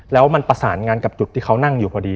แล้วมันประสานงานกับจุดที่เขานั่งอยู่พอดี